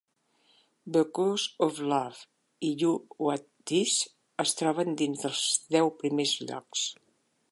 "Because of Love" i "You Want This" es troben dins dels deu primers llocs.